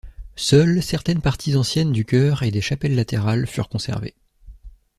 Seules, certaines parties anciennes du chœur et des chapelles latérales furent conservées.